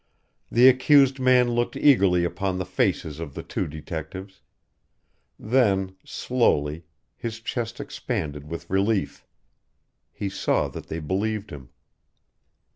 The accused man looked eagerly upon the faces of the two detectives; then, slowly, his chest expanded with relief: he saw that they believed him.